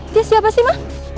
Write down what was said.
dia siapa sih ma